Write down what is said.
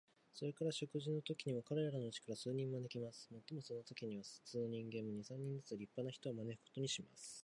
それから食事のときには、彼等のうちから数人招きます。もっともそのときには、普通の人間も、二三人ずつ立派な人を招くことにします。